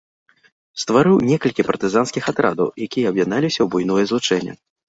Стварыў некалькі партызанскіх атрадаў, якія аб'ядналіся ў буйное злучэнне.